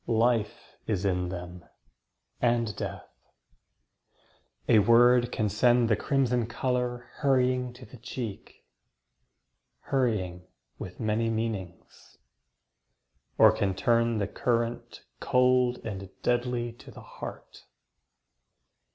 Life is in them, and death. A word can send The crimson colour hurrying to the cheek. Hurrying with many meanings; or can turn The current cold and deadly to the heart.